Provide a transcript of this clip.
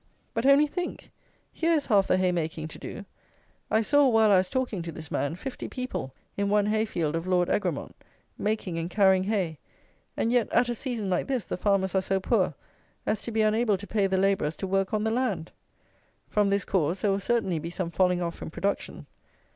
But only think; here is half the haymaking to do: I saw, while I was talking to this man, fifty people in one hay field of Lord Egremont, making and carrying hay; and yet, at a season like this, the farmers are so poor as to be unable to pay the labourers to work on the land! From this cause there will certainly be some falling off in production.